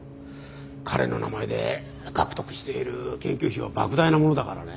彼の名前で獲得している研究費は莫大なものだからね。